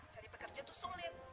cari pekerja tuh sulit